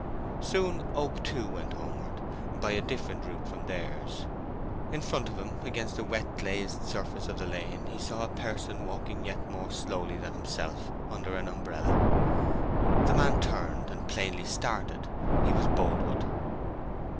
Soon Oak too went homeward, by a different route from theirs. In front of him against the wet glazed surface of the lane he saw a person walking yet more slowly than himself under an umbrella. The man turned and plainly started; he was Boldwood.